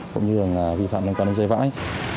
cũng như vi phạm liên quan đến dây vãi